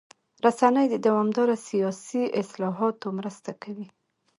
رسنۍ د دوامداره سیاسي اصلاحاتو مرسته کوي.